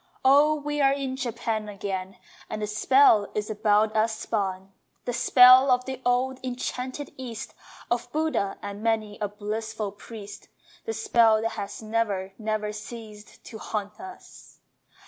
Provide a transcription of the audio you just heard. O we are in Japan again And the spell is about us spun! The spell of the old enchanting East, Of Buddha and many a blissful priest, The spell that has never, never ceased To haunt us!